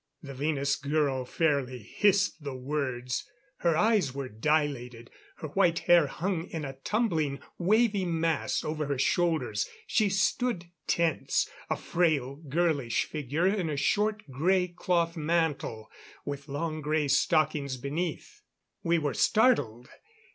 The Venus girl fairly hissed the words. Her eyes were dilated; her white hair hung in a tumbling, wavy mass over her shoulders. She stood tense a frail, girlish figure in a short, grey cloth mantle, with long grey stockings beneath. We were startled.